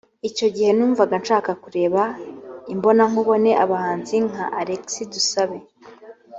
icyo gihe numvaga nshaka kureba imbonankubone abahanzi nka Alexis Dusabe